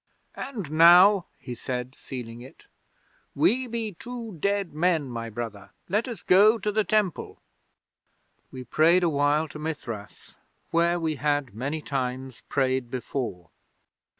'"And now," he said, sealing it, "we be two dead men, my brother. Let us go to the Temple." 'We prayed awhile to Mithras, where we had many times prayed before.